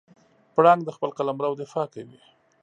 پړانګ د خپل قلمرو دفاع کوي.